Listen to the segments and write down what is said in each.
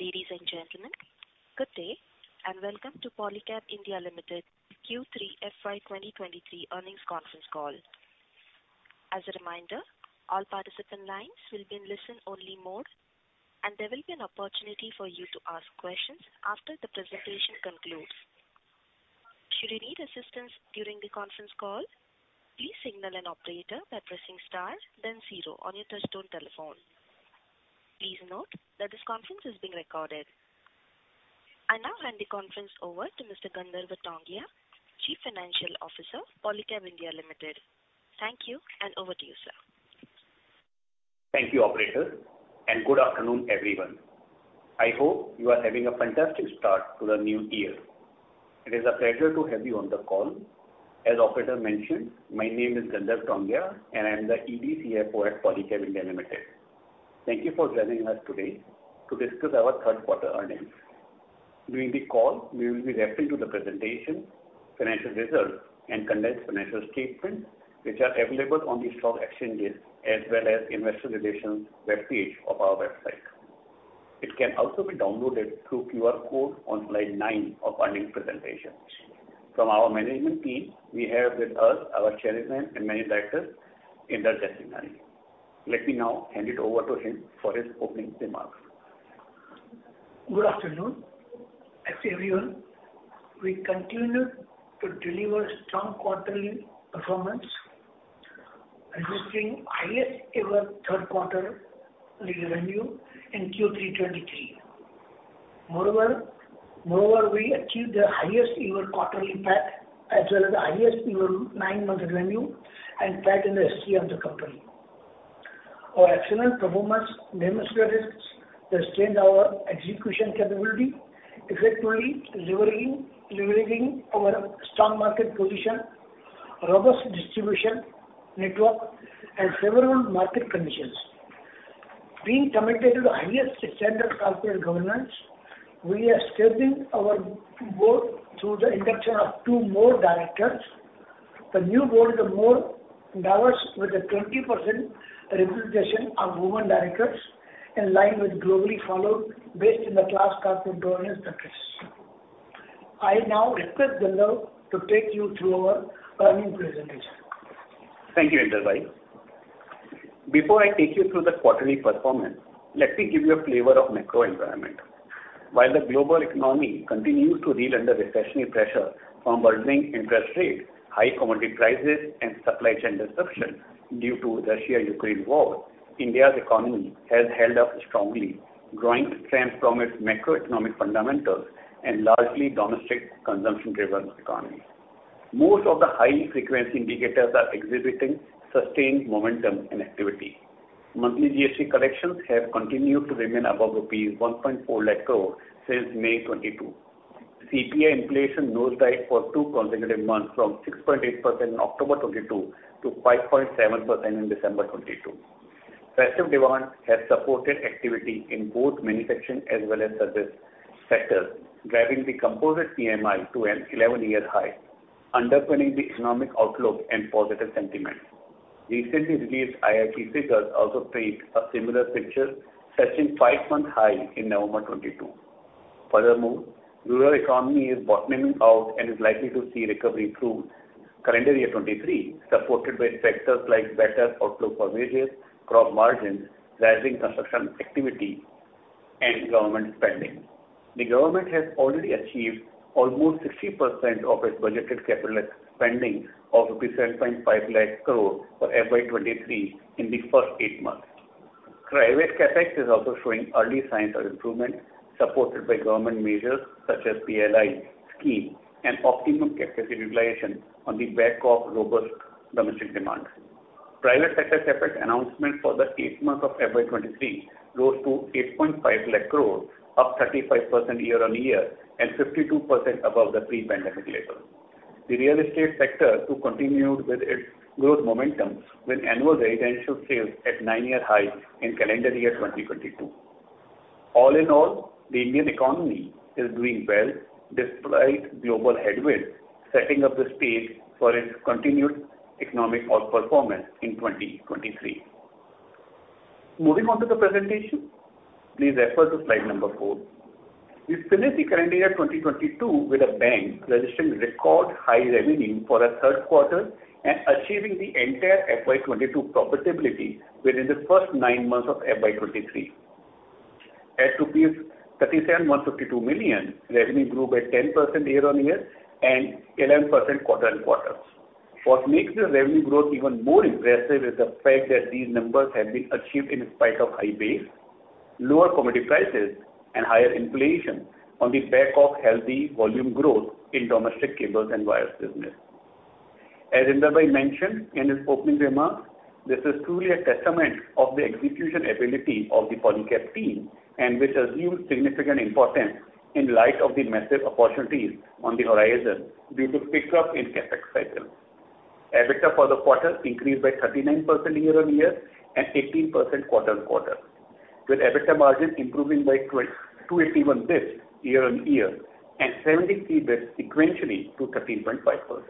Ladies and gentlemen, good day, and welcome to Polycab India Limited Q3 FY 2023 Earnings Conference Call. As a reminder, all participant lines will be in listen only mode, and there will be an opportunity for you to ask questions after the presentation concludes. Should you need assistance during the conference call, please signal an operator by pressing star then zero on your touchtone telephone. Please note that this conference is being recorded. I now hand the conference over to Mr. Gandharv Tongia, Chief Financial Officer, Polycab India Limited. Thank you, and over to you, sir. Thank you, operator, and good afternoon, everyone. I hope you are having a fantastic start to the new year. It is a pleasure to have you on the call. As operator mentioned, my name is Gandharv Tongia, and I am the ED, CFO at Polycab India Limited. Thank you for joining us today to discuss our third quarter earnings. During the call, we will be referring to the presentation, financial results and condensed financial statements, which are available on the stock exchanges as well as investor relations web page of our website. It can also be downloaded through QR code on slide nine of earnings presentation. From our management team, we have with us our Chairman and Managing Director, Inder Jaisinghani. Let me now hand it over to him for his opening remarks. Good afternoon. Thanks, everyone. We continued to deliver strong quarterly performance, registering highest ever third quarter revenue in Q3 2023. Moreover, we achieved the highest ever quarterly PAT, as well as the highest ever nine-month revenue and PAT in the history of the company. Our excellent performance demonstrates the strength of our execution capability, effectively leveraging our strong market position, robust distribution network and favorable market conditions. Being committed to the highest standard corporate governance, we are strengthening our board through the induction of two more directors. The new board is more diverse with a 20% representation of women directors in line with globally followed best-in-class corporate governance practice. I now request Gandharv to take you through our earnings presentation. Thank you, Inder bhai. Before I take you through the quarterly performance, let me give you a flavor of macro environment. While the global economy continues to reel under recessionary pressure from burgeoning interest rates, high commodity prices, and supply chain disruptions due to Russia-Ukraine war, India's economy has held up strongly, drawing strength from its macroeconomic fundamentals and largely domestic consumption-driven economy. Most of the high-frequency indicators are exhibiting sustained momentum and activity. Monthly GST collections have continued to remain above rupees 1.4 lakh crore since May 2022. CPI inflation nosedive for two consecutive months from 6.8% in October 2022 to 5.7% in December 2022. Festive demand has supported activity in both manufacturing as well as services sector, driving the composite PMI to an 11-year high, underpinning the economic outlook and positive sentiment. Recently released IIP figures also paint a similar picture, touching five-month high in November 2022. Furthermore, rural economy is bottoming out and is likely to see recovery through calendar year 2023, supported by factors like better outlook for wages, crop margins, rising construction activity and government spending. The government has already achieved almost 60% of its budgeted capital spending of 7.5 lakh crore for FY23 in the first eight months. Private CapEx is also showing early signs of improvement, supported by government measures such as PLI scheme and optimum capacity utilization on the back of robust domestic demand. Private sector CapEx announcement for the eight months of FY23 rose to 8.5 lakh crore, up 35% year-on-year and 52% above the pre-pandemic level. The real estate sector too continued with its growth momentum with annual residential sales at nine-year high in calendar year 2022. All in all, the Indian economy is doing well despite global headwinds, setting up the stage for its continued economic outperformance in 2023. Moving on to the presentation, please refer to slide number four. We finished the calendar year 2022 with a bang, registering record high revenue for our third quarter and achieving the entire FY22 profitability within the first nine months of FY23. At 37,152 million rupees, revenue grew by 10% year-on-year and 11% quarter-on-quarter. What makes the revenue growth even more impressive is the fact that these numbers have been achieved in spite of high base, lower commodity prices and higher inflation on the back of healthy volume growth in domestic cables and wires business. As Inder bhai mentioned in his opening remarks, this is truly a testament of the execution ability of the Polycab team and which assumes significant importance in light of the massive opportunities on the horizon due to pickup in CapEx cycle. EBITDA for the quarter increased by 39% year-on-year and 18% quarter-on-quarter, with EBITDA margin improving by 281 basis points year-on-year and 73 basis points sequentially to 13.5%.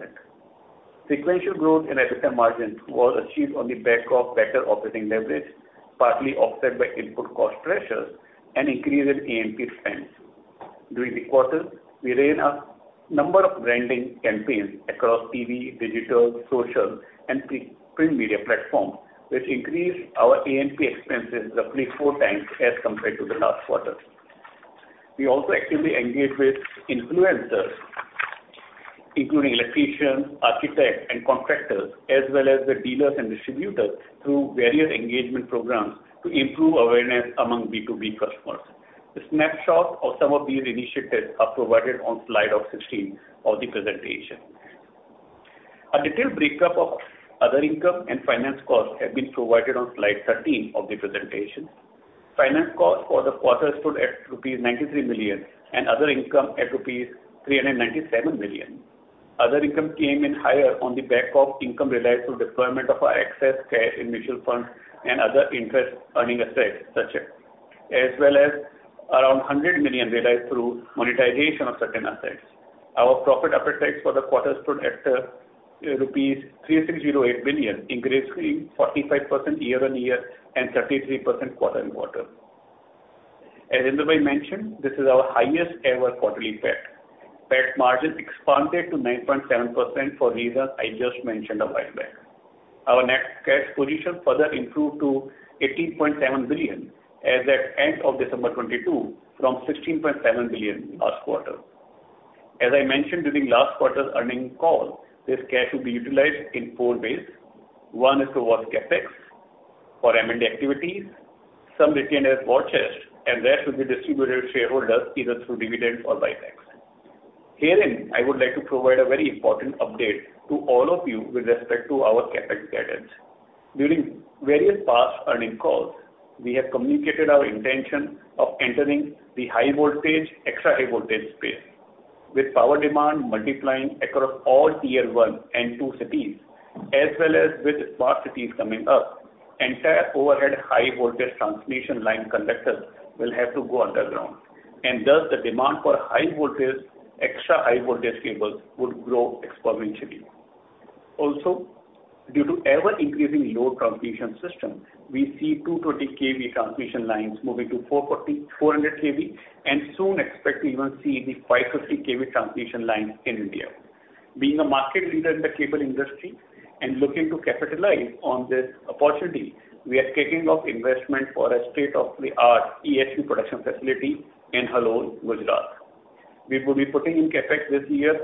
Sequential growth in EBITDA margins was achieved on the back of better operating leverage, partly offset by input cost pressures and increased AMP spends. During the quarter, we ran a number of branding campaigns across TV, digital, social, and print media platforms, which increased our AMP expenses roughly four times as compared to the last quarter. We also actively engaged with influencers, including electricians, architects, and contractors, as well as the dealers and distributors, through various engagement programs to improve awareness among B2B customers. The snapshot of some of these initiatives are provided on slide 16 of the presentation. A detailed breakup of other income and finance costs have been provided on slide 13 of the presentation. Finance costs for the quarter stood at 93 million rupees, and other income at 397 million rupees. Other income came in higher on the back of income realized through deployment of our excess cash in mutual funds and other interest earning assets, such as. As well as around 100 million realized through monetization of certain assets. Our profit after tax for the quarter stood at rupees 3,608 million, increasing 45% year-on-year and 33% quarter-on-quarter. As Inder bhai mentioned, this is our highest ever quarterly PAT. PAT margin expanded to 9.7% for reasons I just mentioned a while back. Our net cash position further improved to 18.7 billion as at end of December 2022 from 16.7 billion last quarter. As I mentioned during last quarter's earnings call, this cash will be utilized in four ways. One is towards CapEx for M&A activities, some retained as war chest, and the rest will be distributed to shareholders either through dividends or buybacks. Herein, I would like to provide a very important update to all of you with respect to our CapEx guidance. During various past earning calls, we have communicated our intention of entering the high voltage, extra high voltage space. With power demand multiplying across all tier one and two cities, as well as with smart cities coming up, entire overhead high voltage transmission line conductors will have to go underground, and thus the demand for high voltage, extra high voltage cables would grow exponentially. Due to ever-increasing load transmission system, we see 220 KV transmission lines moving to 440, 400 KV, and soon expect to even see the 550 KV transmission lines in India. Being a market leader in the cable industry and looking to capitalize on this opportunity, we are kicking off investment for a state-of-the-art EHV production facility in Halol, Gujarat. We will be putting in CapEx this year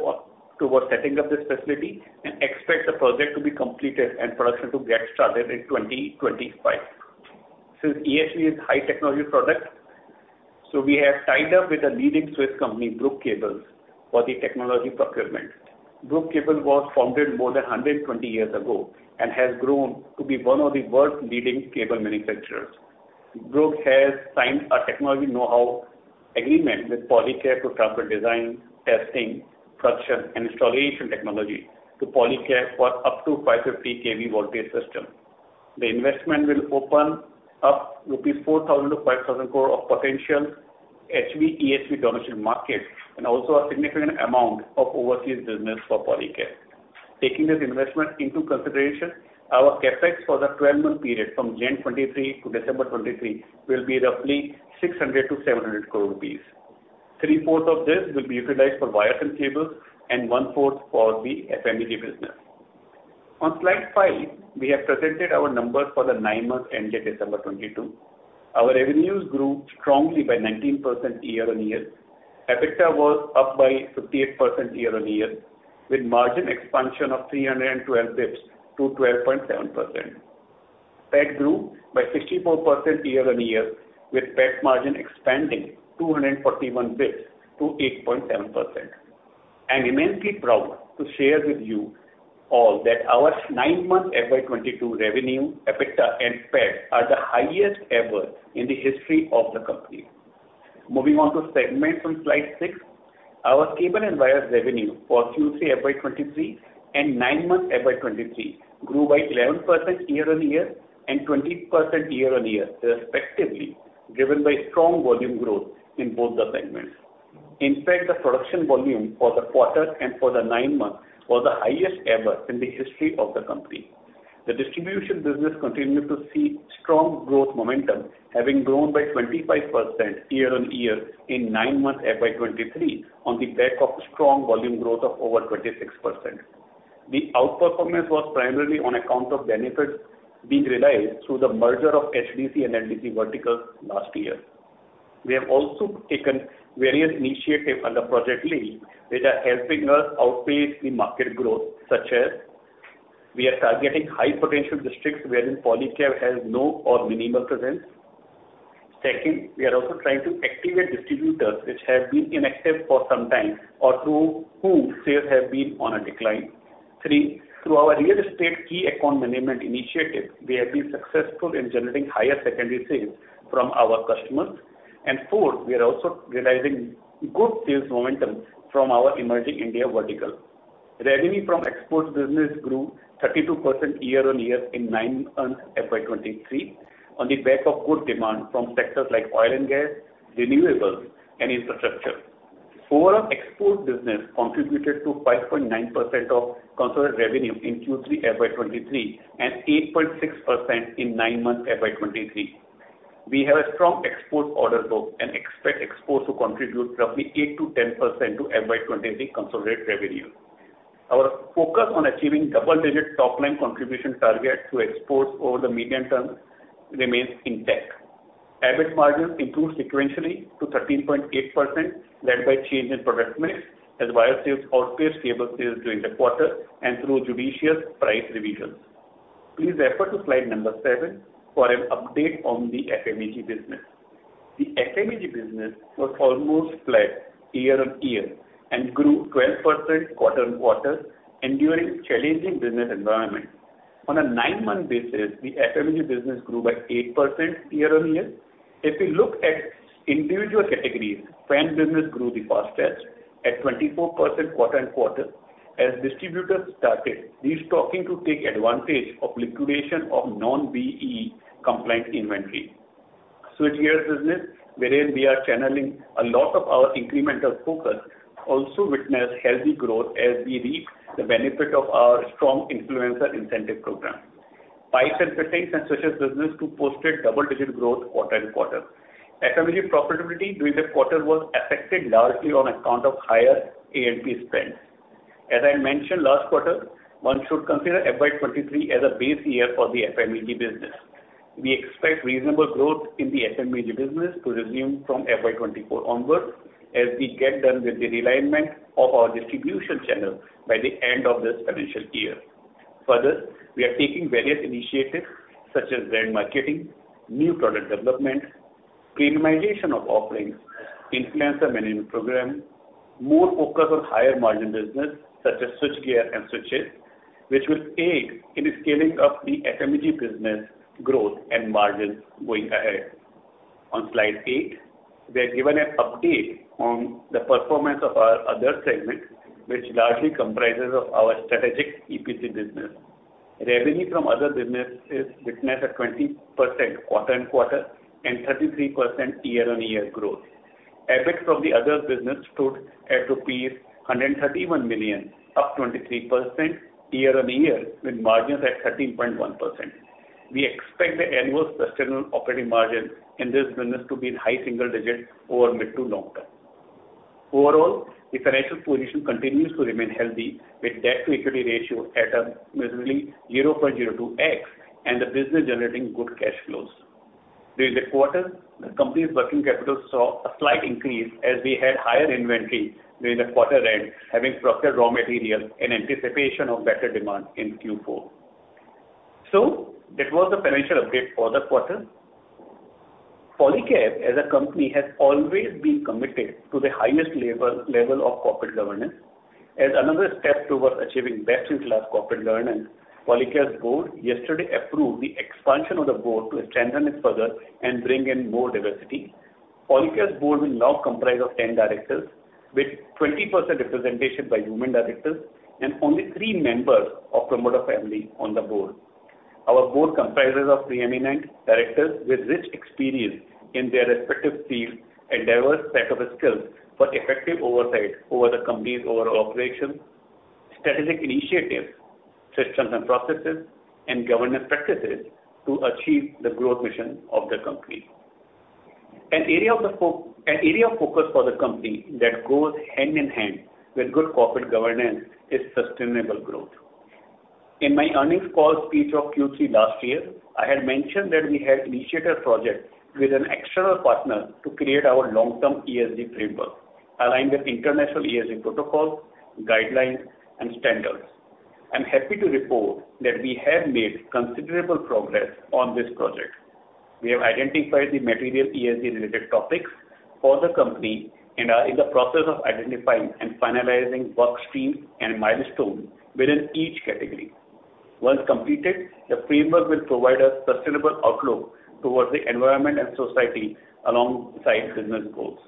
towards setting up this facility and expect the project to be completed and production to get started in 2025. Since EHV is high technology product, so we have tied up with a leading Swiss company, Brugg Kabel, for the technology procurement. Brugg Kabel was founded more than 120 years ago and has grown to be one of the world's leading cable manufacturers. Brugg has signed a technology know-how agreement with Polycab to transfer design, testing, production, and installation technology to Polycab for up to 550 KV voltage system. The investment will open up 4,000 crore-5,000 crore rupees of potential HV, EHV transmission market and also a significant amount of overseas business for Polycab. Taking this investment into consideration, our CapEx for the 12-month period from January 2023 to December 2023 will be roughly 600 crore-700 crore rupees. 3/4 of this will be utilized for wire and cable and 1/4 for the FMEG business. On slide five, we have presented our numbers for the nine months ended December 2022. Our revenues grew strongly by 19% year-on-year. EBITDA was up by 58% year-on-year, with margin expansion of 312 basis points to 12.7%. PAT grew by 64% year-on-year, with PAT margin expanding 241 basis points to 8.7%. I'm immensely proud to share with you all that our nine-month FY2022 revenue, EBITDA, and PAT are the highest ever in the history of the company. Moving on to segments on slide six. Our cable and wires revenue for Q3 FY23 and nine months FY23 grew by 11% year-on-year and 20% year-on-year respectively, driven by strong volume growth in both the segments. In fact, the production volume for the quarter and for the nine months was the highest ever in the history of the company. The distribution business continued to see strong growth momentum, having grown by 25% year-on-year in nine months FY23 on the back of strong volume growth of over 26%. The outperformance was primarily on account of benefits being realized through the merger of HDC and LDC verticals last year. We have also taken various initiatives under Project Leap that are helping us outpace the market growth, such as we are targeting high potential districts wherein Polycab has no or minimal presence. Second, we are also trying to activate distributors which have been inactive for some time or through whom sales have been on a decline. Three, through our real estate key account management initiative, we have been successful in generating higher secondary sales from our customers. Four, we are also realizing good sales momentum from our Emerging India vertical. Revenue from exports business grew 32% year on year in nine months FY23 on the back of good demand from sectors like oil and gas, renewables, and infrastructure. Overall export business contributed to 5.9% of consolidated revenue in Q3 FY23 and 8.6% in nine months FY23. We have a strong export order book and expect exports to contribute roughly 8%-10% to FY23 consolidated revenue. Our focus on achieving double-digit top-line contribution target to exports over the medium term remains intact. EBIT margins improved sequentially to 13.8%, led by change in product mix as wire sales outpaced cable sales during the quarter and through judicious price revisions. Please refer to slide number seven for an update on the FMEG business. The FMEG business was almost flat year-on-year and grew 12% quarter-on-quarter enduring challenging business environment. On a nine-month basis, the FMEG business grew by 8% year-on-year. If you look at individual categories, fan business grew the fastest at 24% quarter-on-quarter as distributors started restocking to take advantage of liquidation of non-BEE compliant inventory. Switchgears business, wherein we are channeling a lot of our incremental focus, also witnessed healthy growth as we reap the benefit of our strong influencer incentive program. Pipes and fittings and switches business too posted double-digit growth quarter-on-quarter. FMEG profitability during the quarter was affected largely on account of higher A&P spend. As I mentioned last quarter, one should consider FY23 as a base year for the FMEG business. We expect reasonable growth in the FMEG business to resume from FY24 onwards as we get done with the realignment of our distribution channel by the end of this financial year. We are taking various initiatives such as brand marketing, new product development, premiumization of offerings, influencer management program, more focus on higher margin business such as switchgear and switches, which will aid in the scaling of the FMEG business growth and margins going ahead. On slide eight, we have given an update on the performance of our other segment, which largely comprises of our strategic EPC business. Revenue from other businesses witnessed a 20% quarter-on-quarter and 33% year-on-year growth. EBIT from the other business stood at rupees 131 million, up 23% year-on-year, with margins at 13.1%. We expect the annual sustainable operating margin in this business to be in high single digits over mid to long term. Overall, the financial position continues to remain healthy, with debt-to-equity ratio at a measly 0.02x and the business generating good cash flows. During the quarter, the company's working capital saw a slight increase as we had higher inventory during the quarter end, having procured raw materials in anticipation of better demand in Q4. That was the financial update for the quarter. Polycab as a company has always been committed to the highest level of corporate governance. As another step towards achieving best-in-class corporate governance, Polycab's board yesterday approved the expansion of the board to strengthen it further and bring in more diversity. Polycab's board will now comprise of 10 directors, with 20% representation by women directors and only three members of promoter family on the board. Our board comprises of preeminent directors with rich experience in their respective fields and diverse set of skills for effective oversight over the company's overall operations, strategic initiatives, systems and processes, and governance practices to achieve the growth mission of the company. An area of focus for the company that goes hand-in-hand with good corporate governance is sustainable growth. In my earnings call speech of Q3 last year, I had mentioned that we had initiated a project with an external partner to create our long-term ESG framework aligned with international ESG protocols, guidelines, and standards. I'm happy to report that we have made considerable progress on this project. We have identified the material ESG related topics for the company and are in the process of identifying and finalizing workstream and milestone within each category. Once completed, the framework will provide a sustainable outlook towards the environment and society alongside business goals.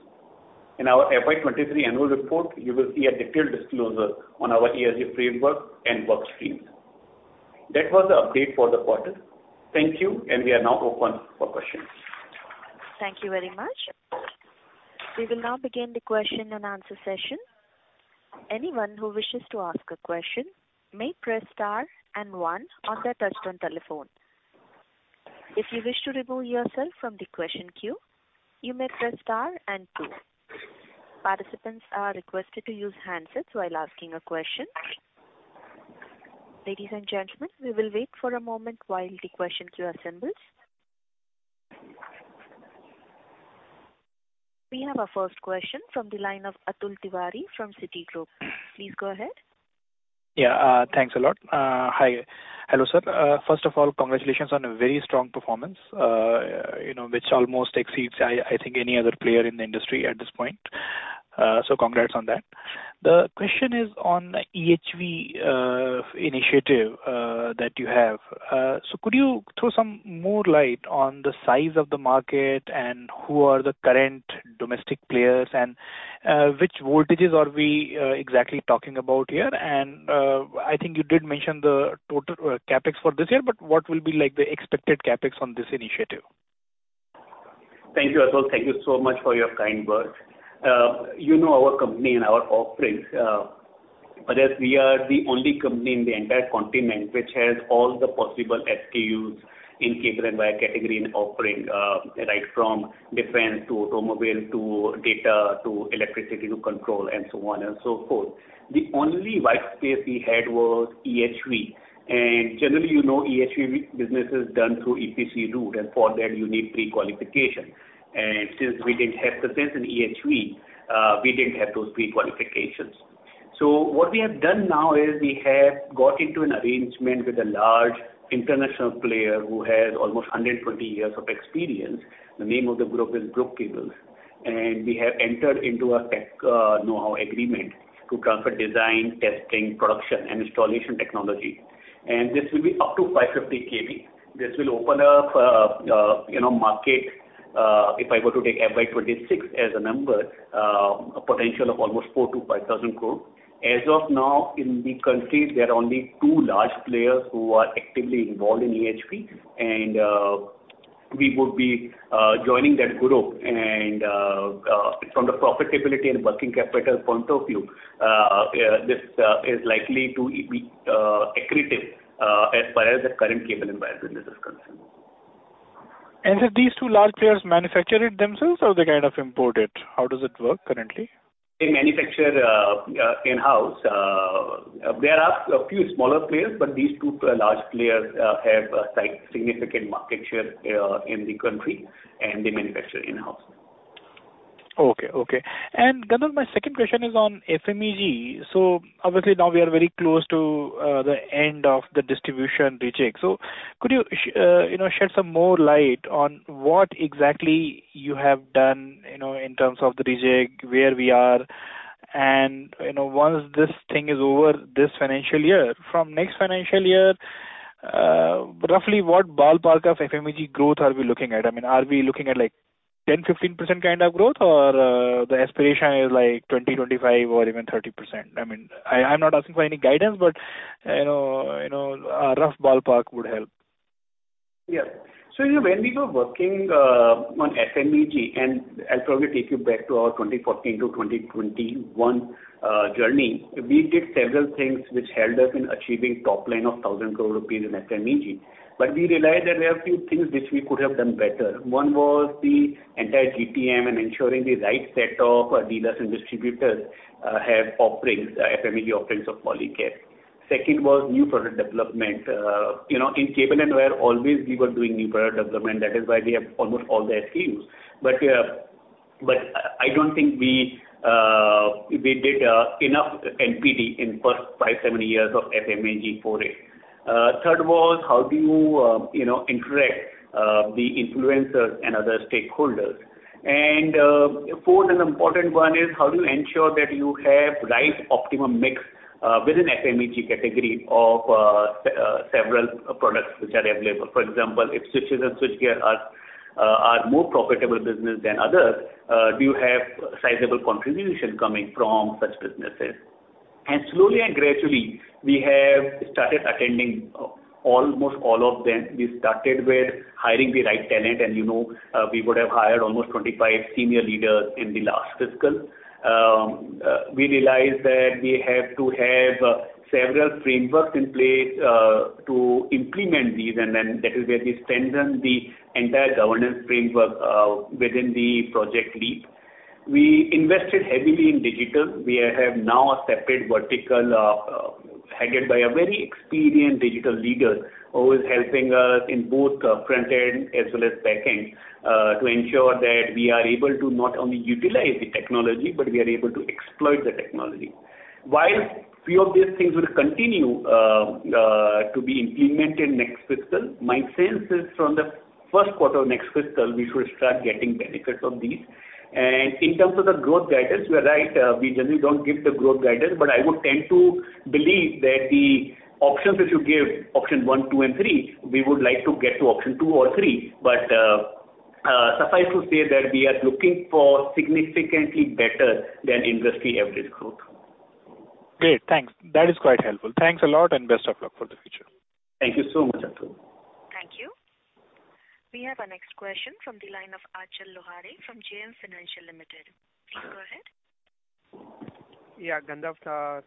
In our FY23 annual report, you will see a detailed disclosure on our ESG framework and workstreams. That was the update for the quarter. Thank you. We are now open for questions. Thank you very much. We will now begin the question-and-answer session. Anyone who wishes to ask a question may press star, one on their touchtone telephone. If you wish to remove yourself from the question queue, you may press star, two. Participants are requested to use handsets while asking a question. Ladies and gentlemen, we will wait for a moment while the question queue assembles. We have our first question from the line of Atul Tiwari from Citigroup. Please go ahead. Thanks a lot. Hi. Hello, sir. First of all, congratulations on a very strong performance, you know, which almost exceeds, I think, any other player in the industry at this point. Congrats on that. The question is on EHV initiative that you have. Could you throw some more light on the size of the market and who are the current domestic players and which voltages are we exactly talking about here? I think you did mention the total CapEx for this year, but what will be like the expected CapEx on this initiative? Thank you, Atul. Thank you so much for your kind words. you know our company and our offerings, as we are the only company in the entire continent which has all the possible SKUs in cable and wire category and offering, right from defense to automobile to data to electricity to control and so on and so forth. The only white space we had was EHV. Generally, you know, EHV business is done through EPC route, and for that you need pre-qualification. Since we didn't have presence in EHV, we didn't have those pre-qualifications. What we have done now is we have got into an arrangement with a large international player who has almost 120 years of experience. The name of the group is Brugg Kabel, we have entered into a tech know-how agreement to transfer design, testing, production and installation technology. This will be up to 550 kV. This will open up, you know, market, if I were to take FY26 as a number, a potential of almost 4,000-5,000 crore. As of now, in the country, there are only two large players who are actively involved in EHV, we would be joining that group. From the profitability and working capital point of view, this is likely to be accretive as far as the current cable and wire business is concerned. Do these two large players manufacture it themselves or they kind of import it? How does it work currently? They manufacture, in-house. There are a few smaller players, but these two large players, have a significant market share, in the country, and they manufacture in-house. Okay, okay. Gandharv, my second question is on FMEG. Obviously now we are very close to the end of the distribution rejig. Could you know, shed some more light on what exactly you have done, you know, in terms of the rejig, where we are and, you know, once this thing is over this financial year, from next financial year, roughly what ballpark of FMEG growth are we looking at? I mean, are we looking at like 10%-15% kind of growth or the aspiration is like 20%-25% or even 30%? I mean, I'm not asking for any guidance, but, you know, you know, a rough ballpark would help. When we were working on FMEG, I'll probably take you back to our 2014 to 2021 journey. We did several things which helped us in achieving top line of 1,000 crore rupees in FMEG. We realized that there are a few things which we could have done better. One was the entire GPM and ensuring the right set of dealers and distributors have offerings, FMEG offerings of Polycab. Second was new product development. You know, in cable and wire always we were doing new product development. That is why we have almost all the SKUs. I don't think we did enough NPD in first five, seven years of FMEG foray. Third was how do you know, interact the influencers and other stakeholders. Fourth and important one is how do you ensure that you have right optimum mix within FMEG category of several products which are available. For example, if switches and switchgear are more profitable business than others, do you have sizable contribution coming from such businesses? Slowly and gradually, we have started attending almost all of them. We started with hiring the right talent, and you know, we would have hired almost 25 senior leaders in the last fiscal. We realized that we have to have several frameworks in place to implement these and then that is where we strengthened the entire governance framework within the Project Leap. We invested heavily in digital. We have now a separate vertical, headed by a very experienced digital leader who is helping us in both front end as well as back end, to ensure that we are able to not only utilize the technology, but we are able to exploit the technology. While few of these things will continue to be implemented next fiscal, my sense is from the first quarter next fiscal we should start getting benefits of these. In terms of the growth guidance, you are right, we generally don't give the growth guidance, but I would tend to believe that the options if you give option one, two, and three, we would like to get to option two or three. Suffice to say that we are looking for significantly better than industry average growth. Great. Thanks. That is quite helpful. Thanks a lot and best of luck for the future. Thank you so much, Atul. Thank you. We have our next question from the line of Achal Lohade from JM Financial Limited. Please go ahead. Yeah, Gandharv,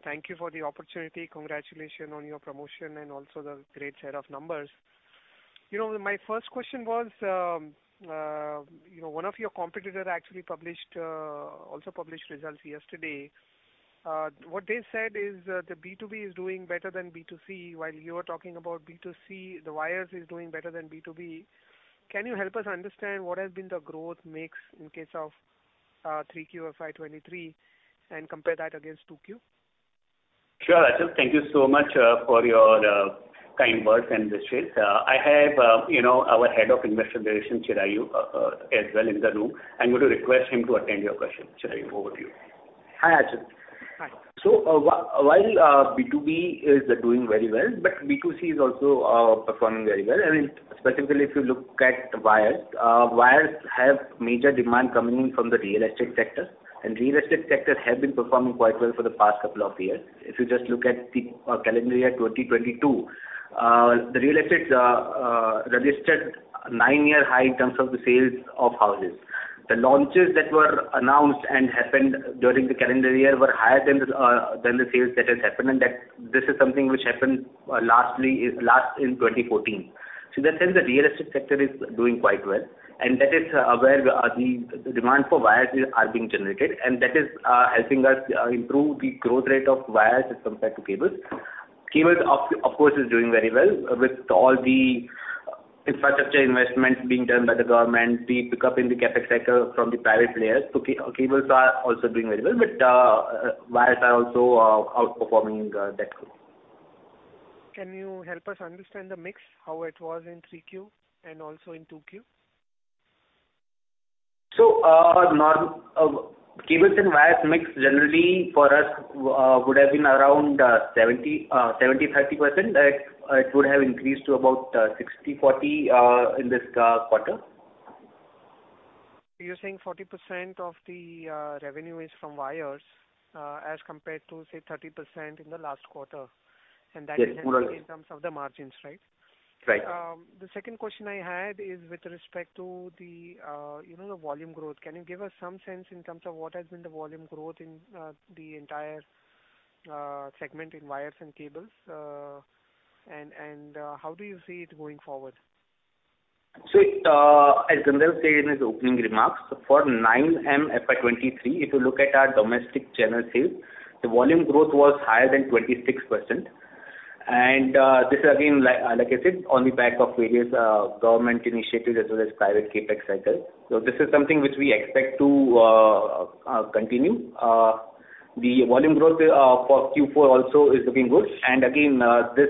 thank you for the opportunity. Congratulations on your promotion and also the great set of numbers. You know, my first question was, you know, one of your competitor actually published, also published results yesterday. What they said is that the B2B is doing better than B2C, while you are talking about B2C, the wires is doing better than B2B. Can you help us understand what has been the growth mix in case of 3Q of FY 2023 and compare that against 2Q? Sure, Achal. Thank you so much for your kind words and wishes. I have, you know, our Head of Investor Relations, Chirayu, as well in the room. I'm going to request him to attend your question. Chirayu, over to you. Hi, Achal. Hi. While B2B is doing very well, but B2C is also performing very well. I mean, specifically if you look at wires have major demand coming in from the real estate sector, and real estate sector have been performing quite well for the past couple of years. If you just look at the calendar year 2022, the real estate registered nine year high in terms of the sales of houses. The launches that were announced and happened during the calendar year were higher than the sales that has happened, and that this is something which happened last in 2014. That means the real estate sector is doing quite well, and that is, where the demand for wires is, are being generated, and that is, helping us, improve the growth rate of wires as compared to cables. Cables, of course, is doing very well with all the infrastructure investments being done by the government, the pickup in the CapEx cycle from the private players. Cables are also doing very well, but wires are also outperforming in that group. Can you help us understand the mix, how it was in 3Q and also in 2Q? Cables and wires mix generally for us would have been around 70/30%. It would have increased to about 60/40 in this quarter. You're saying 40% of the revenue is from wires, as compared to, say, 30% in the last quarter. Yes. That is helping in terms of the margins, right? Right. The second question I had is with respect to the, you know, the volume growth. Can you give us some sense in terms of what has been the volume growth in the entire segment in wires and cables? How do you see it going forward? As Gandharv said in his opening remarks, for 9M FY23, if you look at our domestic channel sales, the volume growth was higher than 26%. This again, like I said, on the back of various government initiatives as well as private CapEx cycle. This is something which we expect to continue. The volume growth for Q4 also is looking good. Again, this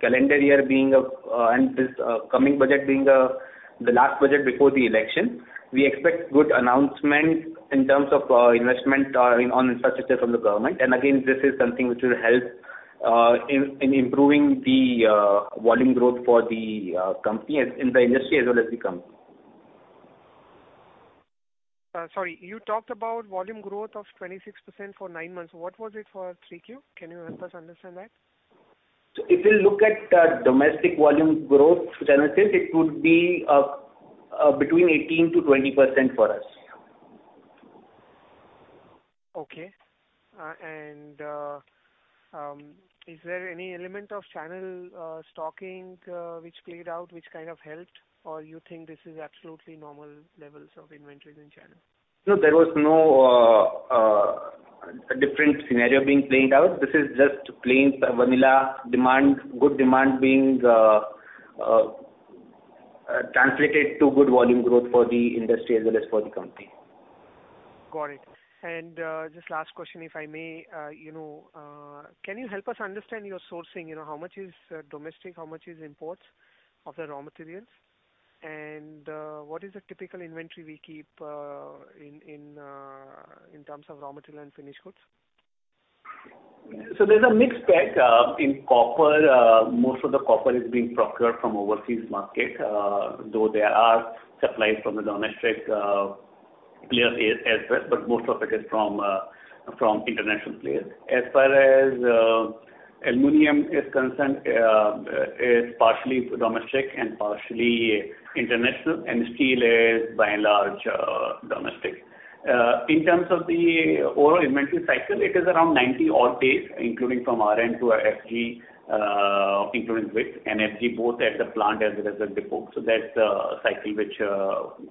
calendar year being and this coming budget being the last budget before the election, we expect good announcements in terms of investment on infrastructure from the government. Again, this is something which will help in improving the volume growth for the industry as well as the company. Sorry. You talked about volume growth of 26% for nine months. What was it for 3Q? Can you help us understand that? If you look at, domestic volume growth through channel sales, it would be between 18%-20% for us. Okay. Is there any element of channel stocking which played out, which kind of helped? You think this is absolutely normal levels of inventory in channel? No, there was no different scenario being played out. This is just plain vanilla demand, good demand being translated to good volume growth for the industry as well as for the company. Got it. Just last question, if I may. You know, can you help us understand your sourcing, you know, how much is domestic, how much is imports of the raw materials? What is the typical inventory we keep in terms of raw material and finished goods? There's a mixed bag. In copper, most of the copper is being procured from overseas market, though there are supplies from the domestic players as well, but most of it is from international players. As far as aluminum is concerned, is partially domestic and partially international, and steel is by and large domestic. In terms of the overall inventory cycle, it is around 90 odd days, including from RM to our FG, including WIP and FG, both at the plant as well as the depot. That's the cycle which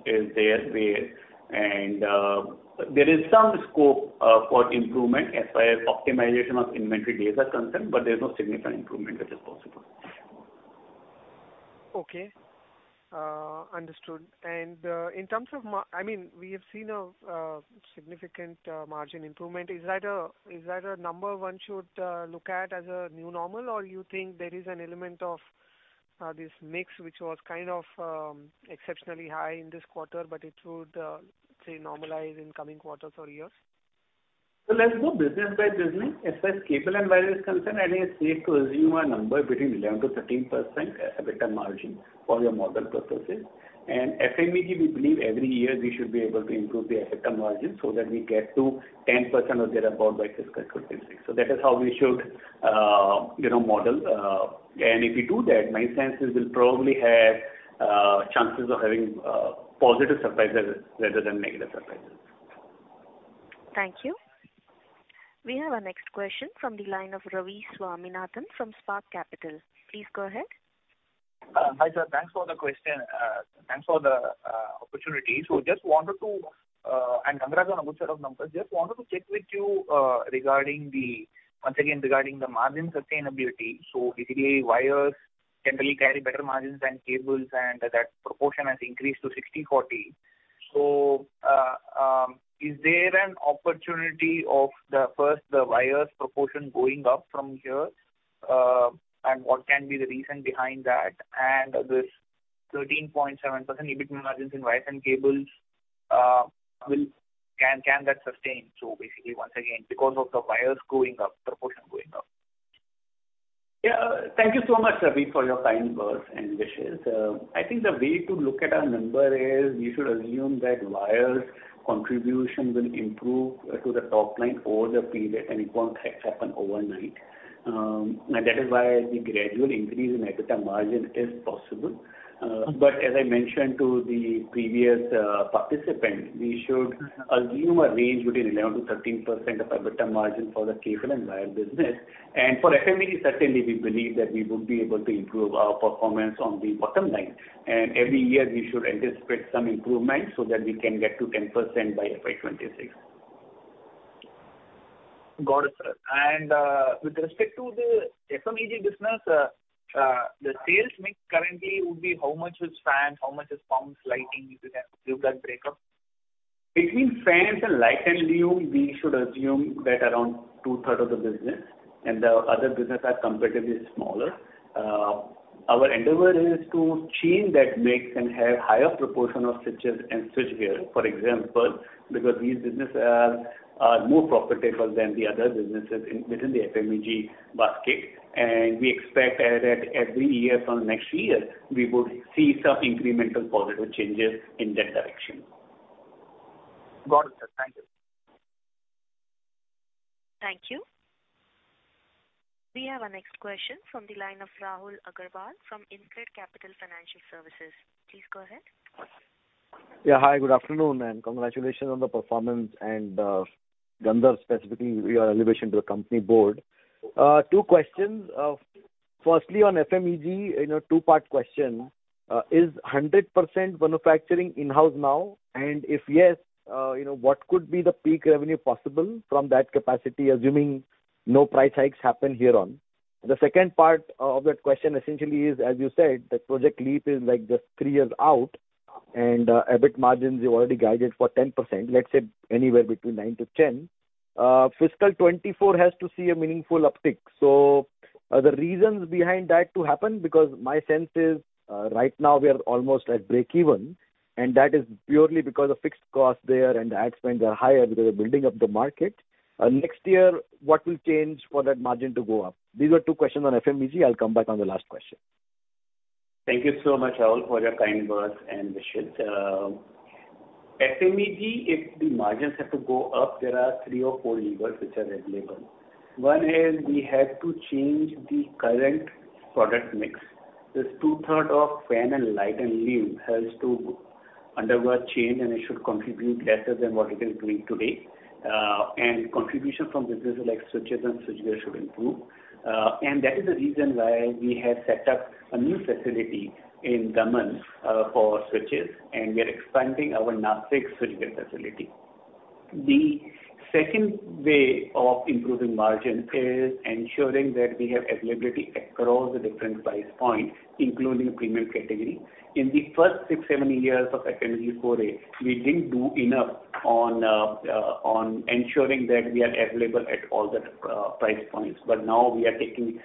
is there way. There is some scope for improvement as far as optimization of inventory days are concerned, but there's no significant improvement which is possible. Okay. Understood. In terms of, I mean, we have seen a significant margin improvement. Is that a number one should look at as a new normal? You think there is an element of this mix which was kind of exceptionally high in this quarter, but it would say normalize in coming quarters or years? Let's go business by business. As far as cable and wire is concerned, I think it's safe to assume a number between 11%-13% EBITDA margin for your model purposes. FMEG, we believe every year we should be able to improve the EBITDA margin so that we get to 10% or thereabout by fiscal 2056. That is how we should, you know, model. If we do that, my sense is we'll probably have chances of having positive surprises rather than negative surprises. Thank you. We have our next question from the line of Ravi Swaminathan from Spark Capital. Please go ahead. Hi, sir. Thanks for the question. Thanks for the opportunity. Just wanted to, and Gandharv has announced set of numbers. Just wanted to check with you, regarding the, once again regarding the margin sustainability. Basically, wires generally carry better margins than cables, and that proportion has increased to 60/40. Is there an opportunity of the, first the wires proportion going up from here? And what can be the reason behind that? And this 13.7% EBITDA margins in wires and cables, will... Can that sustain? Basically once again, because of the wires going up, proportion going up. Yeah. Thank you so much, Ravi, for your kind words and wishes. I think the way to look at our number is you should assume that wires contribution will improve to the top line over the period, and it won't happen overnight. That is why the gradual increase in EBITDA margin is possible. As I mentioned to the previous participant, we should assume a range between 11%-13% of EBITDA margin for the cable and wire business. For FMEG, certainly we believe that we would be able to improve our performance on the bottom line. Every year we should anticipate some improvement so that we can get to 10% by FY26. Got it, sir. With respect to the FMEG business, the sales mix currently would be how much is fans, how much is pumps, lighting, if you can give that breakup? Between fans and light and lum, we should assume that around two-third of the business and the other business are comparatively smaller. Our endeavor is to change that mix and have higher proportion of switches and switchgear, for example, because these businesses are more profitable than the other businesses within the FMEG basket. We expect that every year from next year we would see some incremental positive changes in that direction. Got it, sir. Thank you. Thank you. We have our next question from the line of Rahul Agarwal from Incred Capital Financial Services. Please go ahead. Yeah. Hi, good afternoon, congratulations on the performance, Gandhar, specifically, your elevation to the company board. Two questions. Firstly, on FMEG, you know, two-part question. Is 100% manufacturing in-house now? If yes, you know, what could be the peak revenue possible from that capacity, assuming no price hikes happen hereon? The second part of that question essentially is, as you said, that Project Leap is like just three years out, and EBIT margins you already guided for 10%, let's say anywhere between 9%-10%. Fiscal 2024 has to see a meaningful uptick. Are there reasons behind that to happen? Because my sense is, right now we are almost at breakeven, and that is purely because of fixed costs there and the ad spends are higher because we're building up the market. Next year, what will change for that margin to go up? These are two questions on FMEG. I'll come back on the last question. Thank you so much, Rahul, for your kind words and wishes. FMEG, if the margins have to go up, there are three or four levers which are available. One is we have to change the current product mix. This two-third of fan and light and lum has to undergo a change, and it should contribute lesser than what it is doing today. Contribution from businesses like switches and switchgear should improve. That is the reason why we have set up a new facility in Daman for switches, and we are expanding our Nashik switchgear facility. The second way of improving margin is ensuring that we have availability across the different price points, including premium category. In the first six, seven years of FMEG foray, we didn't do enough on ensuring that we are available at all the price points, but now we are taking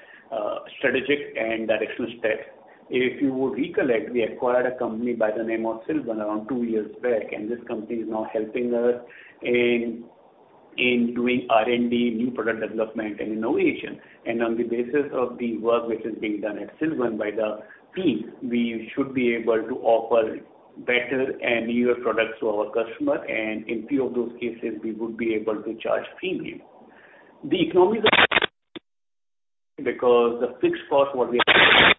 strategic and directional steps. If you would recollect, we acquired a company by the name of Silvan around two years back. This company is now helping us in doing R&D, new product development and innovation. On the basis of the work which is being done at Silvan by the team, we should be able to offer better and newer products to our customer. In few of those cases we would be able to charge premium. Because the fixed costs what we are- Sorry?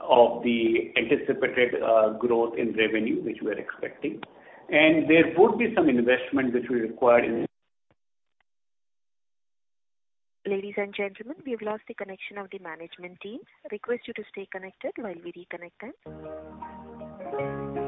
Of the anticipated growth in revenue, which we are expecting. There would be some investment which we require. Ladies and gentlemen, we have lost the connection of the management team. Request you to stay connected while we reconnect them.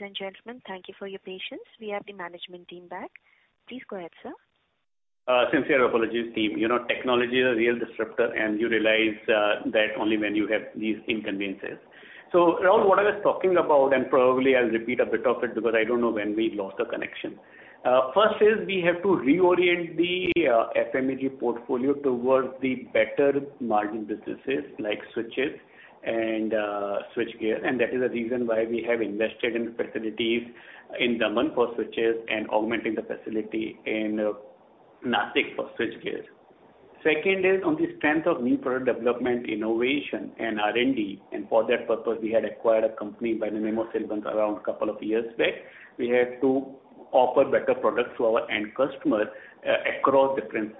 Ladies and gentlemen, thank you for your patience. We have the management team back. Please go ahead, sir. Sincere apologies, team. You know, technology is a real disruptor, and you realize that only when you have these inconveniences. Rahul, what I was talking about, and probably I'll repeat a bit of it because I don't know when we lost the connection. First is we have to reorient the FMEG portfolio towards the better margin businesses like switches and switchgear. That is the reason why we have invested in facilities in Daman for switches and augmenting the facility in Nashik for switchgear. Second is on the strength of new product development, innovation and R&D. For that purpose we had acquired a company by the name of Silvan around two years back. We have to offer better products to our end customers across different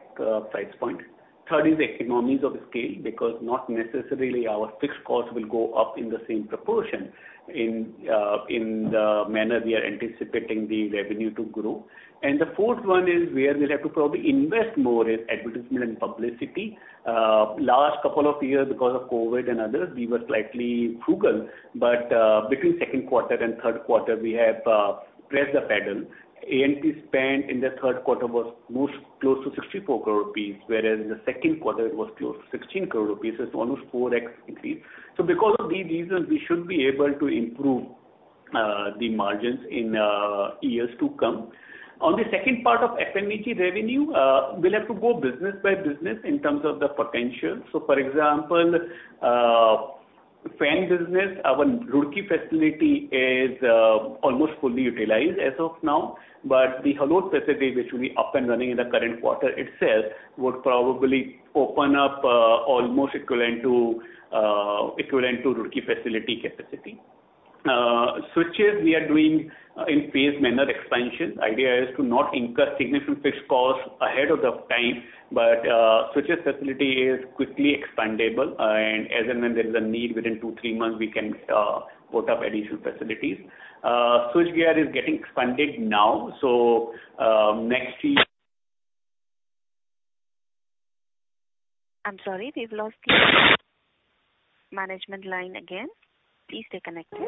price points. Third is the economies of scale, because not necessarily our fixed costs will go up in the same proportion in the manner we are anticipating the revenue to grow. The fourth one is where we'll have to probably invest more in advertisement and publicity. Last couple of years because of COVID and others, we were slightly frugal. Between second quarter and third quarter, we have pressed the pedal. A&P spend in the third quarter was most close to 64 crore rupees, whereas the second quarter it was close to 16 crore rupees. It's almost four times increase. Because of these reasons, we should be able to improve the margins in years to come. On the second part of FMEG revenue, we'll have to go business by business in terms of the potential. For example, fan business, our Roorkee facility is almost fully utilized as of now, but the Halol facility, which will be up and running in the current quarter itself, would probably open up almost equivalent to Roorkee facility capacity. Switches we are doing in phased manner expansion. Idea is to not incur significant fixed costs ahead of the time, but switches facility is quickly expandable. As and when there is a need within two, three months, we can put up additional facilities. Switchgear is getting expanded now, so next year I'm sorry, we've lost the management line again. Please stay connected.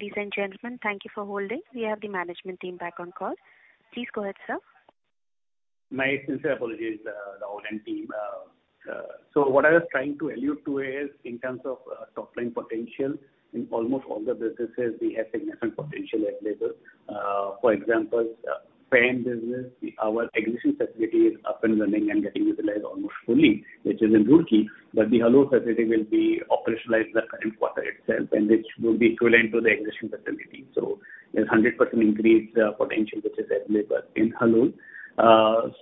Ladies and gentlemen, thank you for holding. We have the management team back on call. Please go ahead, sir. My sincere apologies, the whole team. What I was trying to allude to is in terms of top line potential in almost all the businesses we have significant potential at labor. For example, fan business, our existing facility is up and running and getting utilized almost fully, which is in Roorkee. The Halol facility will be operationalized the current quarter itself, and which will be equivalent to the existing facility. There's 100% increased potential which is available in Halol.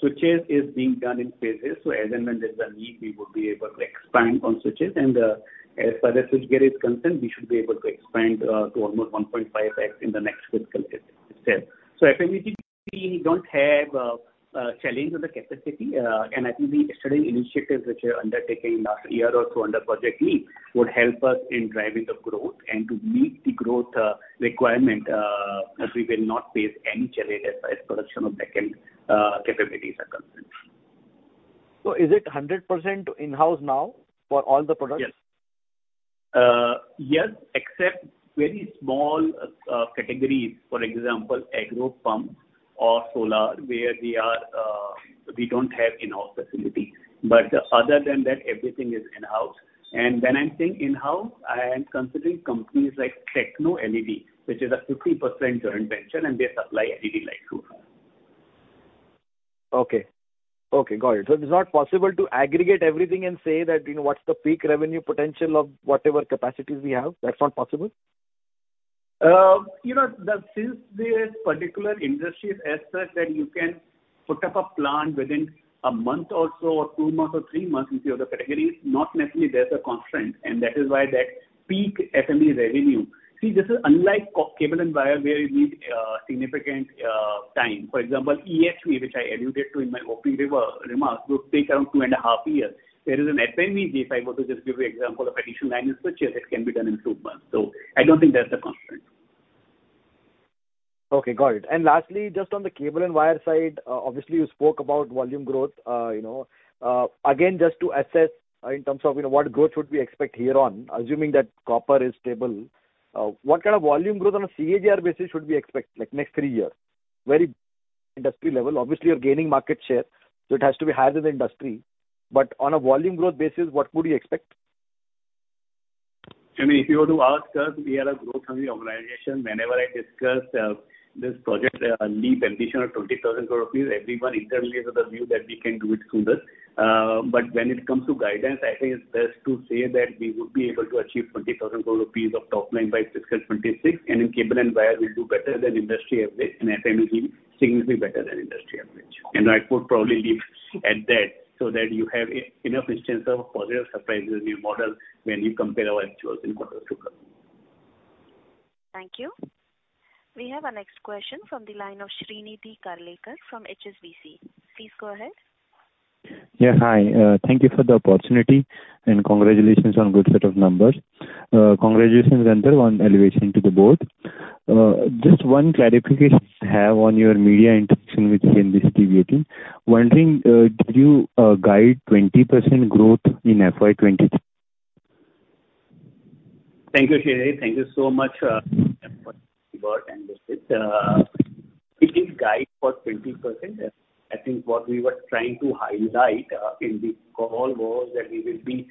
Switches is being done in phases, as and when there's a need, we would be able to expand on switches. As far as switchgear is concerned, we should be able to expand to almost 1.5x in the next fiscal year itself. FMEG, we don't have challenge with the capacity. I think the external initiatives which were undertaken last year or so under Project Leap would help us in driving the growth and to meet the growth requirement as we will not face any challenge as far as production of backend capabilities are concerned. Is it 100% in-house now for all the products? Yes. Yes, except very small categories, for example, agro pump or solar, where we are, we don't have in-house facility. Other than that, everything is in-house. When I'm saying in-house, I am considering companies like Techno LED, which is a 50% joint venture, and they supply LED lights to us. Okay. Okay, got it. It is not possible to aggregate everything and say that, you know, what's the peak revenue potential of whatever capacities we have? That's not possible? You know, since these particular industries as such that you can put up a plant within one month or so, or two months or three months into the other categories, not necessarily there's a constraint, and that is why that peak FME revenue. This is unlike cable and wire, where you need significant time. For example, EHV, which I alluded to in my opening remark, would take around 2.5 years. Whereas an FME, if I were to just give you example of additional line in switches, it can be done in two months. I don't think that's a constraint. Okay, got it. Lastly, just on the cable and wire side, obviously you spoke about volume growth. You know, again, just to assess, in terms of, you know, what growth should we expect here on, assuming that copper is stable, what kind of volume growth on a CAGR basis should we expect, like next three years? Very industry level. Obviously, you're gaining market share, so it has to be higher than the industry. On a volume growth basis, what would you expect? I mean, if you were to ask us, we are a growth-hungry organization. Whenever I discuss this Project Leap ambition of 20,000 crore rupees, everyone internally is of the view that we can do it sooner. When it comes to guidance, I think it's best to say that we would be able to achieve 20,000 crore rupees of top line by fiscal 2026, and in cable and wire we'll do better than industry average and FME significantly better than industry average. I could probably leave at that, so that you have enough instance of positive surprises in your model when you compare our actuals in quarters to come. Thank you. We have our next question from the line of Shrinidhi Karlekar from HSBC. Please go ahead. Hi. Thank you for the opportunity, and congratulations on good set of numbers. Congratulations, Gandhar, on elevation to the board. Just one clarification to have on your media interaction with ET Now team. Wondering, did you guide 20% growth in FY23? Thank you, Srini. Thank you so much, and this is, we didn't guide for 20%. I think what we were trying to highlight, in the call was that we will be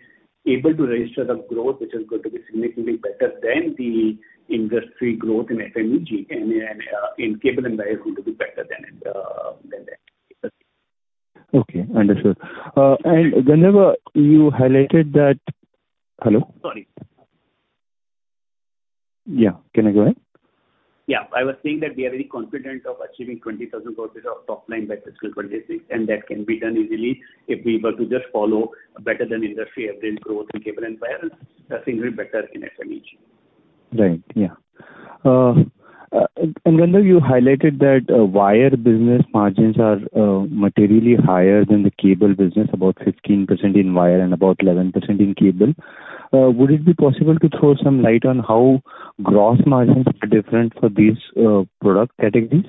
able to register the growth, which is going to be significantly better than the industry growth in FMEG and, in cable and wire is going to be better than that. Okay, understood. Gandharva, you highlighted that, Hello? Sorry. Yeah. Can I go ahead? Yeah. I was saying that we are very confident of achieving 20,000 crores of top line by fiscal 2026, and that can be done easily if we were to just follow better than industry average growth in cable and wire, significantly better in FMEG. Right. Yeah. Gandharva, you highlighted that wire business margins are materially higher than the cable business, about 15% in wire and about 11% in cable. Would it be possible to throw some light on how gross margins are different for these product categories?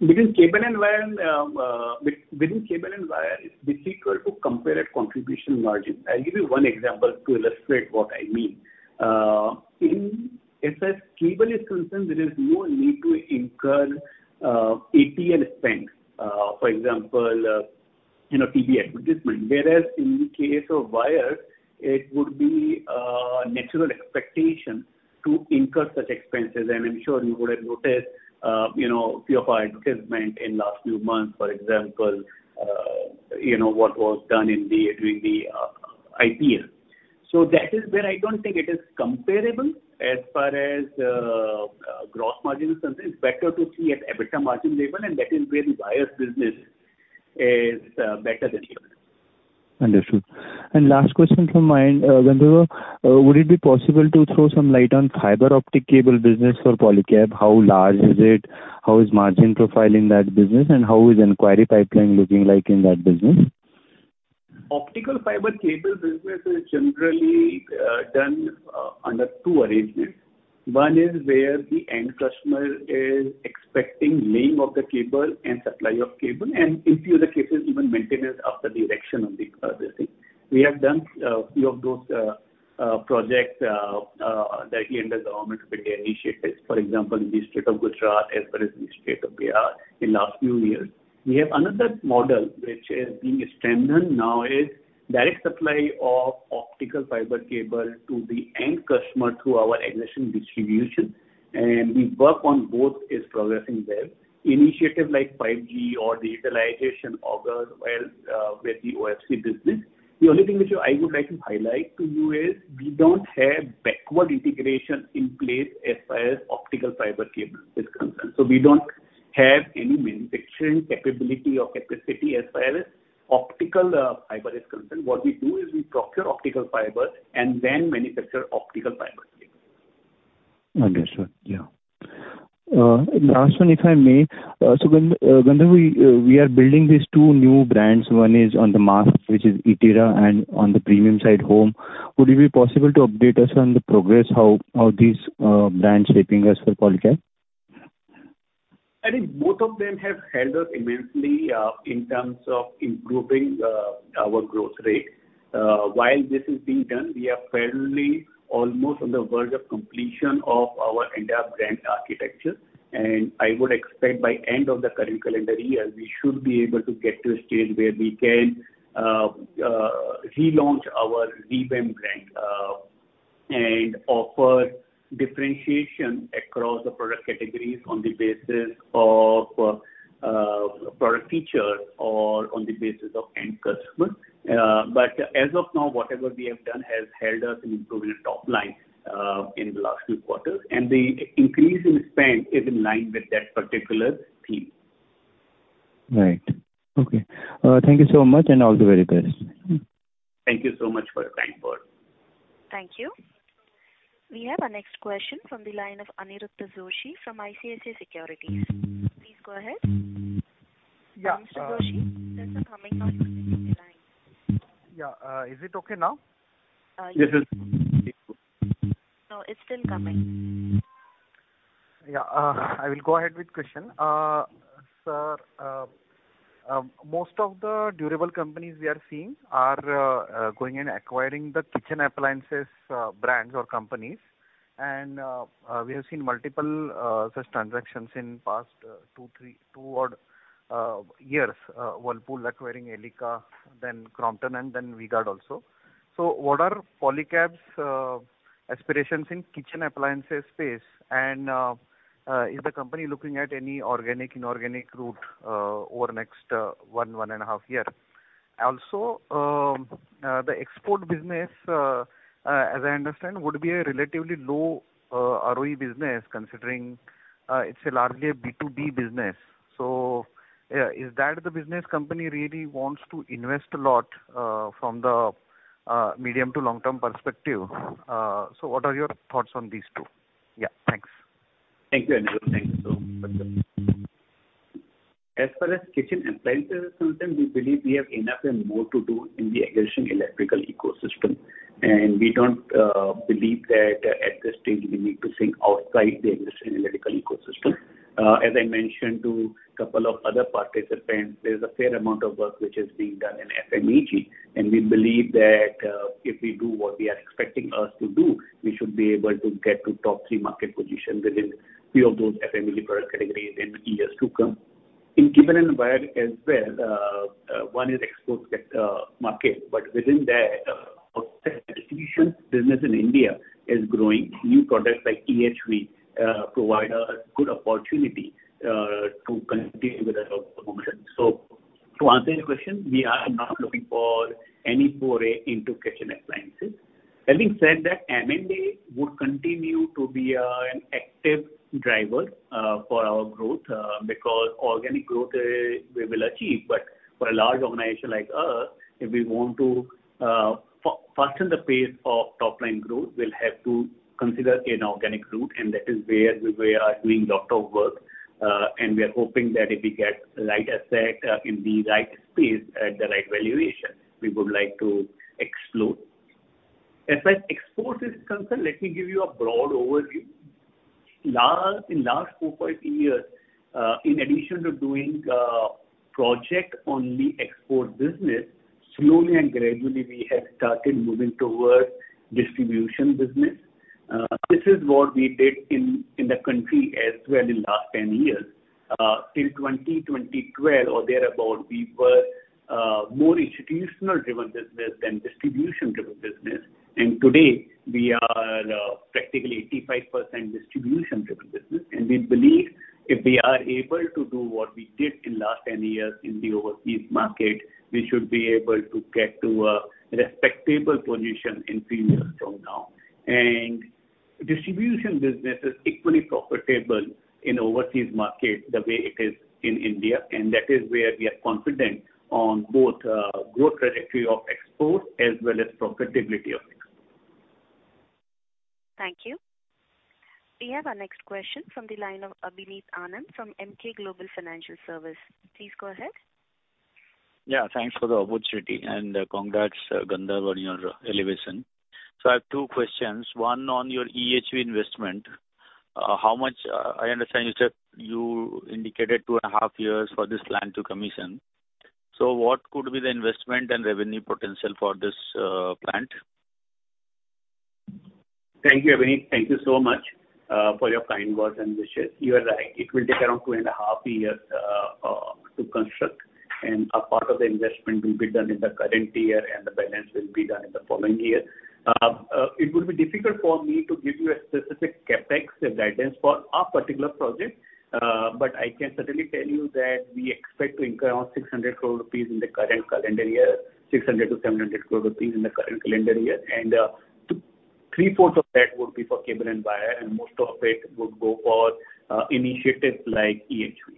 Because cable and wire, within cable and wire, it's difficult to compare a contribution margin. I'll give you one example to illustrate what I mean. As far as cable is concerned, there is more need to incur, A&P and spend. For example, you know, TV advertisement. Whereas in the case of wire, it would be natural expectation to incur such expenses. And I'm sure you would have noticed, you know, few of our advertisement in last few months, for example, you know, what was done in the, during the IPL. That is where I don't think it is comparable as far as gross margin is concerned. It's better to see at EBITDA margin level, and that is where the wire's business is better than cable. Understood. Last question from my end, Gandharva, would it be possible to throw some light on fiber optic cable business for Polycab? How large is it? How is margin profile in that business? How is inquiry pipeline looking like in that business? Optical fiber cable business is generally done under two arrangements. One is where the end customer is expecting laying of the cable and supply of cable, and in few other cases, even maintenance after the erection of the this thing. We have done a few of those projects that in the Government of India initiatives, for example, in the state of Gujarat as well as in the state of Bihar in last few years. We have another model which is being strengthened now, is direct supply of optical fiber cable to the end customer through our aggression distribution. We work on both, is progressing well. Initiative like 5G or digitalization of the, well, with the OFC business. The only thing which I would like to highlight to you is we don't have backward integration in place as far as optical fiber cable is concerned. We don't have any manufacturing capability or capacity as far as optical fiber is concerned. What we do is we procure optical fiber and then manufacture optical fiber cable. Understood. Yeah. Last one if I may. Gandharv, Gandharv, we are building these two new brands. One is on the mass, which is Etira, and on the premium side, Hohm. Would it be possible to update us on the progress, how these brands shaping us for Polycab? I think both of them have helped us immensely, in terms of improving our growth rate. While this is being done, we are fairly almost on the verge of completion of our entire brand architecture. I would expect by end of the current calendar year, we should be able to get to a stage where we can relaunch our revamped brand and offer differentiation across the product categories on the basis of product feature or on the basis of end customer. As of now, whatever we have done has helped us in improving top line in the last few quarters. The increase in spend is in line with that particular theme. Right. Okay. Thank you so much, and all the very best. Thank you so much for your time. Thank you. We have our next question from the line of Aniruddha Joshi from ICICI Securities. Please go ahead. Yeah. Mr. Joshi, there's some humming noise coming from your line. Is it okay now? Yes. Yes, it's. No, it's still coming. Yeah. I will go ahead with question. Sir, most of the durable companies we are seeing are going and acquiring the kitchen appliances brands or companies. We have seen multiple such transactions in past two, three, two odd years, Whirlpool acquiring Elica, then Crompton, and then V-Guard also. What are Polycab's aspirations in kitchen appliances space? Is the company looking at any organic, inorganic route over the next one and a half year? Also, the export business, as I understand, would be a relatively low ROE business considering it's largely a B2B business. Is that the business company really wants to invest a lot from the medium to long-term perspective? What are your thoughts on these two? Thanks. Thank you, Anil. Thank you so much. As far as kitchen appliances is concerned, we believe we have enough and more to do in the existing electrical ecosystem. We don't believe that at this stage we need to think outside the existing electrical ecosystem. As I mentioned to couple of other participants, there's a fair amount of work which is being done in FMEG, and we believe that if we do what we are expecting us to do, we should be able to get to top three market position within few of those FMEG product categories in the years to come. In cable and wire as well, one is export market, but within that, distribution business in India is growing. New products like EHV provide a good opportunity to continue with our growth function. To answer your question, we are not looking for any foray into kitchen appliances. Having said that, M&A would continue to be an active driver for our growth because organic growth we will achieve, but for a large organization like us, if we want to fasten the pace of top line growth, we'll have to consider inorganic route, and that is where we are doing lot of work. We are hoping that if we get right asset in the right space at the right valuation, we would like to explore. As far as export is concerned, let me give you a broad overview. In last four, five years, in addition to doing project on the export business, slowly and gradually we have started moving towards distribution business. This is what we did in the country as well in last 10 years. Till 2012 or thereabout, we were more institutional-driven business than distribution-driven business. Today we are practically 85% distribution-driven business. We believe if we are able to do what we did in last 10 years in the overseas market, we should be able to get to a respectable position in three years from now. Distribution business is equally profitable in overseas market the way it is in India, and that is where we are confident on both growth trajectory of export as well as profitability of export. Thank you. We have our next question from the line of Abhineet Anand from Emkay Global Financial Services. Please go ahead. Thanks for the opportunity, congrats, Gandharv, on your elevation. I have two questions. One on your EHV investment. How much, I understand you said you indicated two and a half years for this plant to commission. What could be the investment and revenue potential for this plant? Thank you, Abhineet. Thank you so much for your kind words and wishes. You are right. It will take around two and a half years to construct, a part of the investment will be done in the current year, and the balance will be done in the following year. It would be difficult for me to give you a specific CapEx guidance for a particular project, but I can certainly tell you that we expect to incur around 600 crore rupees in the current calendar year, 600 crore-700 crore rupees in the current calendar year. Three-fourths of that would be for cable and wire, and most of it would go for initiatives like EHV.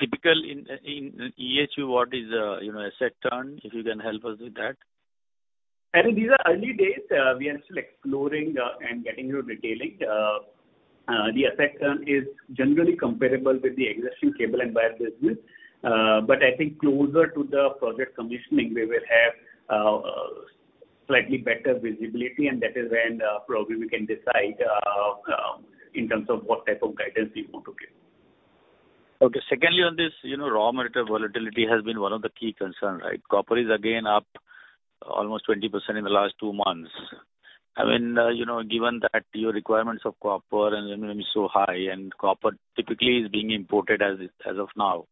Typical in EHV, what is, you know, asset turn, if you can help us with that? Abhineet, these are early days. We are still exploring, and getting into retailing. The asset turn is generally comparable with the existing cable and wire business. I think closer to the project commissioning, we will have, slightly better visibility, that is when, probably we can decide, in terms of what type of guidance we want to give. Okay. Secondly, on this, you know, raw material volatility has been one of the key concern, right? Copper is again up almost 20% in the last two months. I mean, you know, given that your requirements of copper and aluminum is so high and copper typically is being imported as of now,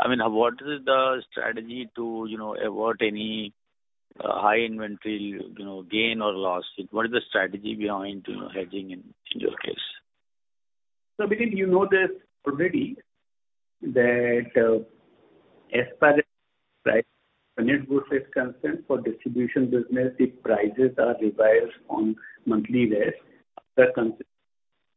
I mean, what is the strategy to, you know, avert any, high inventory, you know, gain or loss? What is the strategy behind, you know, hedging in your case? Abhineet, you know this already that, as far as price per unit good is concerned, for distribution business, the prices are revised on monthly basis after considering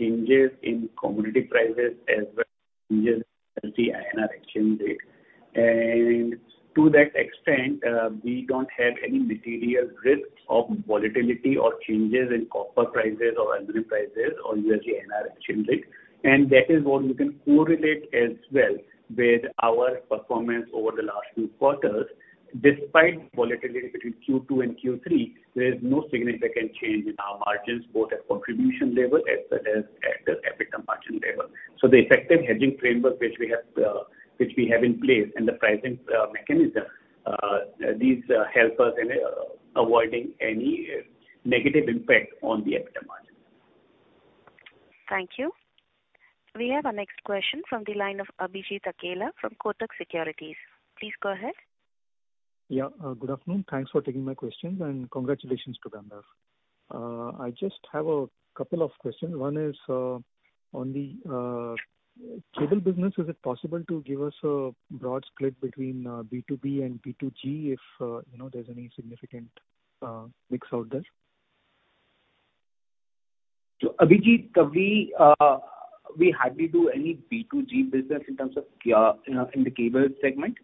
changes in commodity prices as well as changes as the INR exchange rate. To that extent, we don't have any material risks of volatility or changes in copper prices or aluminum prices or USD INR exchange rate. That is what you can correlate as well with our performance over the last few quarters. Despite volatility between Q2 and Q3, there is no significant change in our margins, both at contribution level as well as at EBITDA margin level. The effective hedging framework which we have, which we have in place and the pricing mechanism, these help us in avoiding any negative impact on the EBITDA margin. Thank you. We have our next question from the line of Abhijit Akella from Kotak Securities. Please go ahead. Yeah. Good afternoon. Thanks for taking my questions, congratulations to Gandharv. I just have a couple of questions. One is, on the, cable business, is it possible to give us a broad split between, B2B and B2G if, you know, there's any significant, mix out there? Abhijit, we hardly do any B2G business in terms of, you know, in the cable segment.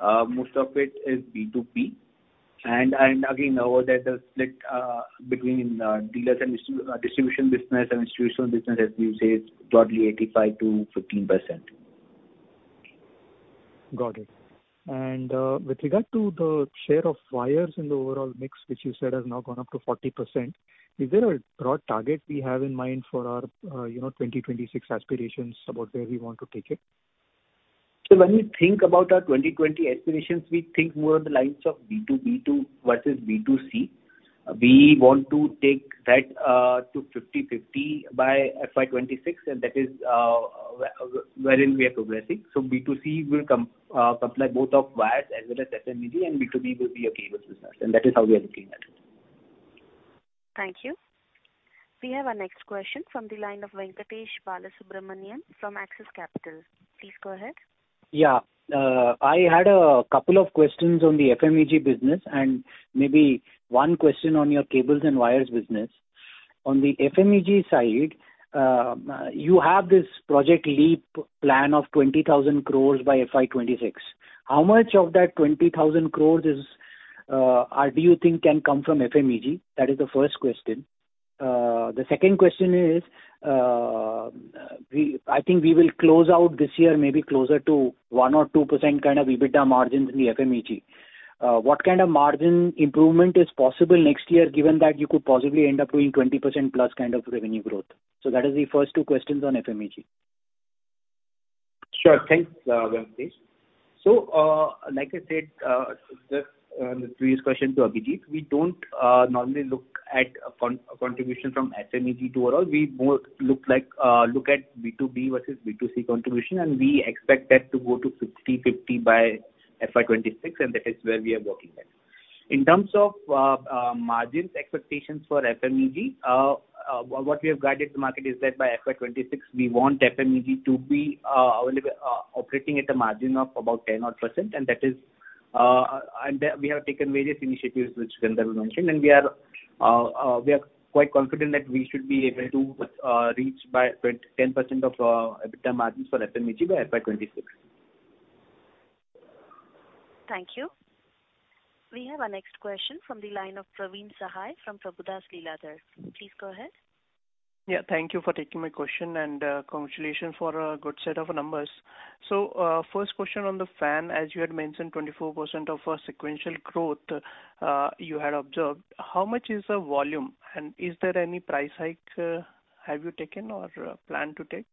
Most of it is B2B. And again, over there the split between dealers and distribution business and institutional business, as we say, is broadly 85%-15%. Got it. With regard to the share of wires in the overall mix, which you said has now gone up to 40%, is there a broad target we have in mind for our, you know, 2026 aspirations about where we want to take it? When we think about our 2020 aspirations, we think more on the lines of B2B2 versus B2C. We want to take that to 50/50 by FY26, and that is wherein we are progressing. B2C will supply both of wires as well as FMEG, and B2B will be our cable business, and that is how we are looking at it. Thank you. We have our next question from the line of Venkatesh Balasubramaniam from Axis Capital. Please go ahead. Yeah. I had a couple of questions on the FMEG business and maybe one question on your cables and wires business. On the FMEG side, you have this Project Leap plan of 20,000 crores by FY26. How much of that 20,000 crores is, or do you think can come from FMEG? That is the first question. The second question is, I think we will close out this year maybe closer to 1% or 2% kind of EBITDA margins in the FMEG. What kind of margin improvement is possible next year, given that you could possibly end up doing 20%+ kind of revenue growth? That is the first two questions on FMEG. Sure. Thanks, Venkatesh. Like I said, just on the previous question to Abhijit, we don't normally look at contribution from FMEG to overall. We more look like look at B2B versus B2C contribution, and we expect that to go to 50-50 by FY26, and that is where we are working at. In terms of margins expectations for FMEG, what we have guided the market is that by FY26, we want FMEG to be a little operating at a margin of about 10 odd percent, and that is. We have taken various initiatives which Gandharv mentioned, and we are quite confident that we should be able to reach by 10% of EBITDA margins for FMEG by FY26. Thank you. We have our next question from the line of Praveen Sahay from Prabhudas Lilladher. Please go ahead. Thank you for taking my question, and congratulations for a good set of numbers. First question on the fan, as you had mentioned, 24% of sequential growth you had observed. How much is the volume? Is there any price hike, have you taken or plan to take?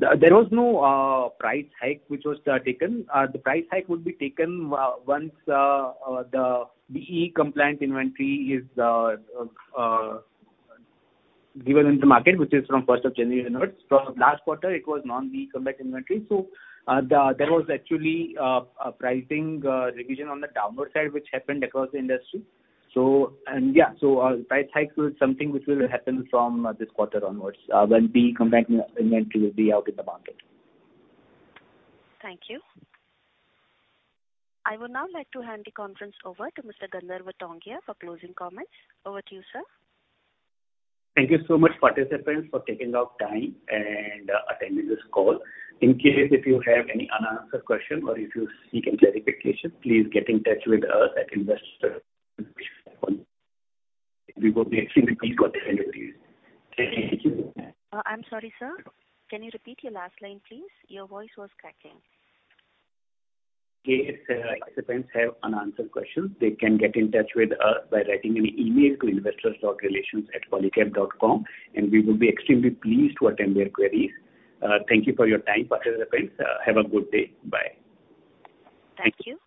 There was no price hike which was taken. The price hike would be taken once the BEE compliant inventory is given in the market, which is from first of January onwards. From last quarter, it was non-BEE compliant inventory, there was actually a pricing revision on the downward side which happened across the industry. Yeah, a price hike was something which will happen from this quarter onwards when BEE compliant inventory will be out in the market. Thank you. I would now like to hand the conference over to Mr. Gandharv Tongia for closing comments. Over to you, sir. Thank you so much, participants, for taking out time and attending this call. In case if you have any unanswered question or if you're seeking clarification, please get in touch with us at investor. We will be extremely pleased to attend your queries. Thank you. I'm sorry, sir. Can you repeat your last line, please? Your voice was cracking. In case participants have unanswered questions, they can get in touch with us by writing an email to investor.relations@polycab.com. We will be extremely pleased to attend their queries. Thank you for your time, participants. Have a good day. Bye. Thank you.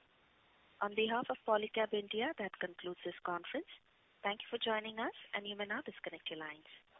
On behalf of Polycab India, that concludes this conference. Thank you for joining us, and you may now disconnect your lines.